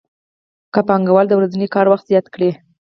که پانګوال د ورځني کار وخت زیات کړي